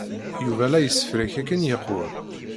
Yuba la yessefrak akken yeqwem.